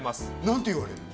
何て言われんの？